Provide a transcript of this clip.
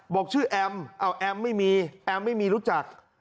บอกชื่อแอมแอมไม่มีแอมไม่มีรู้จัก